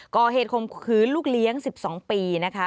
ก่อเหตุคมคือลูกเลี้ยง๑๒ปีนะคะ